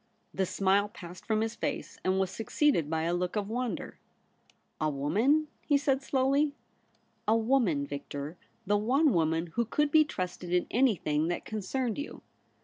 The smile passed from his face, and was succeeded by a look of wonder. ' A woman ?' he said slowly. ' A woman, Victor — the one woman who could be trusted in anything that concerned you.